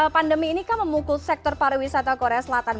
pandemi ini kan memukul sektor pariwisata korea selatan